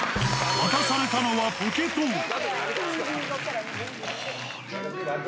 渡されたのはポケトーク。